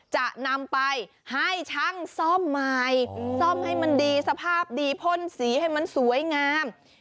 จะนำไปให้ช่างซ่อมใหม่ซ่อมให้มันดีสภาพดีพ่นสีให้มันสวยงาม